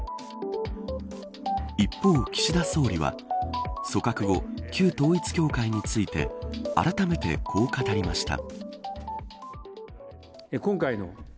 一方、岸田総理は組閣後、旧統一教会についてあらためて、こう語りました。